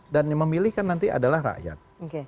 dan memilihkan nanti adalah rakyat